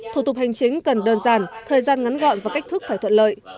thủ tục hành chính cần đơn giản thời gian ngắn gọn và cách thức phải thuận lợi